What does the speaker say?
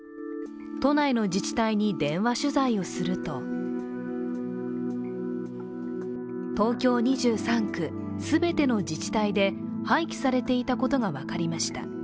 都内の自治体に電話取材をすると東京２３区全ての自治体で廃棄されていたことが分かりました。